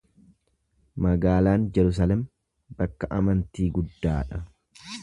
Magaalaan Jerusalem bakka amantii guddaa dha.